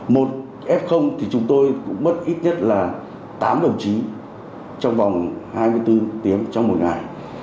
một f thì chúng tôi cũng mất ít nhất là tám đồng chí trong vòng hai mươi bốn tiếng trong một ngày